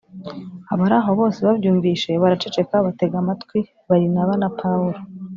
Abari aho bose babyumvise baraceceka batega amatwi Barinaba na Pawulo